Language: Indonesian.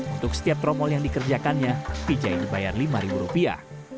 untuk setiap tromol yang dikerjakannya vijay dibayar lima rupiah